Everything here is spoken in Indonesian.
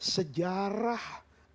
sejarah agama islam itu